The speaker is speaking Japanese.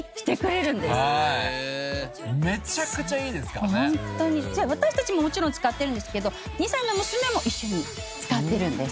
こちらのねシャンプーの私たちももちろん使ってるんですけど２歳の娘も一緒に使ってるんです。